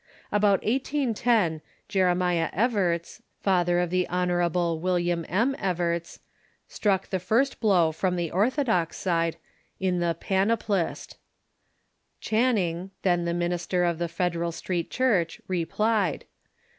About 1810 Jere miah Evarts, father of the Hon. William ]\r. Evarts, struck the first blow from the orthodox side in the Panopllst. Clian ning, then the minister of the Federal Street Church, replied.